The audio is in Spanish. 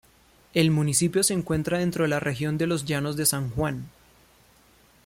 El municipio se encuentra dentro de la región de los Llanos de San Juan.